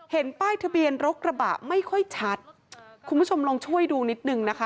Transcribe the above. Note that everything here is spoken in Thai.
ป้ายทะเบียนรถกระบะไม่ค่อยชัดคุณผู้ชมลองช่วยดูนิดนึงนะคะ